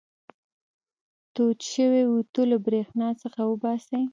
تود شوی اوتو له برېښنا څخه وباسئ.